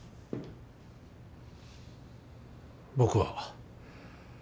僕は。